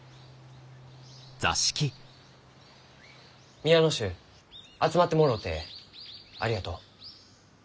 皆の衆集まってもろうてありがとう。